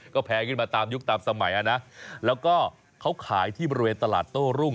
ก็แพงขึ้นมาตามยุคตามสมัยอ่ะนะแล้วก็เขาขายที่บริเวณตลาดโต้รุ่ง